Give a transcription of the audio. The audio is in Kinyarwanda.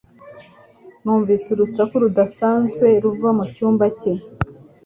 Numvise urusaku rudasanzwe ruva mu cyumba cye